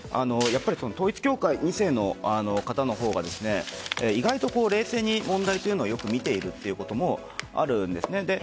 統一協会２世の方のほうが意外と冷静に問題を見ているということもあるんです。